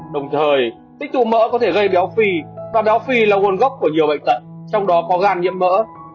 đồng thời tích trữ mỡ có thể gây béo phi và béo phi là nguồn gốc của nhiều bệnh tận trong đó có gan nhiễm mỡ